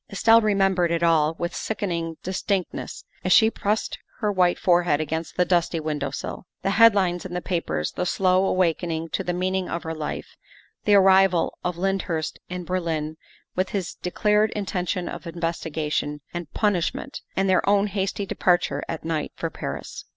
Estelle remembered it all with sickening distinctness as she pressed her white forehead against the dusty window sill : The headlines in the papers, the slow awakening to the meaning of her life, the arrival of Lyndhurst in Berlin with his declared intention of investigation and punishment, and their own hasty departure at night for Paris.